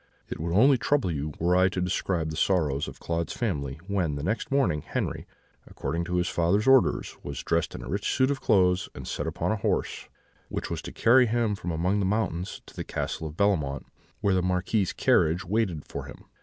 "It would only trouble you were I to describe the sorrow of Claude's family when, the next morning, Henri, according to his father's orders, was dressed in a rich suit of clothes, and set upon a horse, which was to carry him from among the mountains to the Castle of Bellemont, where the Marquis's carriage waited for him.